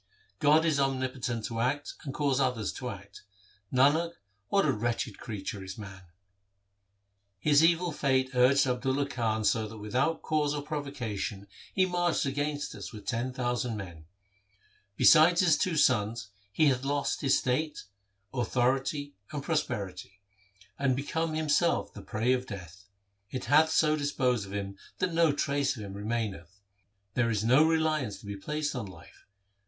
God is omnipotent to act and cause others to act ; Nanak, what a wretched creature is man ! 2 ' His evil fate urged Abdulla Khan so that with out cause or provocation he marched against us with ten thousand men. Besides his two sons he hath lost his state, authority, and prosperity, and become himself the prey of death. It hath so dis posed of him that no trace of him remaineth. There is no reliance to be placed on life.